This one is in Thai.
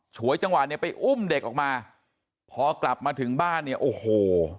ฉวยจังหวะเนี่ยไปอุ้มเด็กออกมาพอกลับมาถึงบ้านเนี่ยโอ้โห